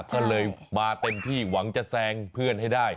ก็เลยมาเต็มที่หวังจะแซงเพื่อนให้ได้